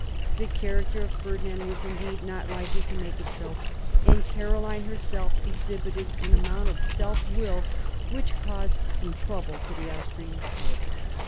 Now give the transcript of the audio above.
The character of Ferdinand was indeed not likely to make it so, and Caroline herself exhibited an amount of self will which caused some trouble to the Austrian court.